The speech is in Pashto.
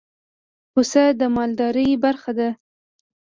پسه د مالدارۍ برخه ده.